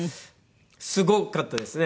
すごかったですね。